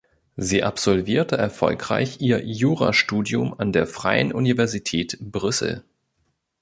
Sie absolvierte erfolgreich ihr Jurastudium an der Freien Universität Brüssel.